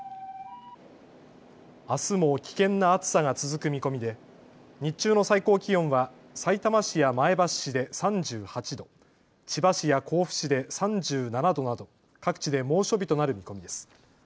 あすも危険な暑さが続く見込みで日中の最高気温はさいたま市や前橋市で３８度、千葉市や甲府市で３７度など各地で猛暑日となる見込みです。